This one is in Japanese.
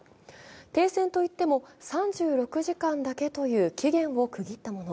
停戦といっても３６時間だけという期限を区切ったもの。